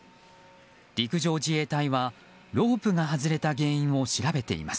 陸上自衛隊はロープが外れた原因を調べています。